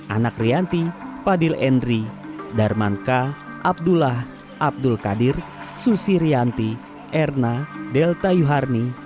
anak rianti fadil endri darman ka abdullah abdul kadir susi rianti erna delta yuharni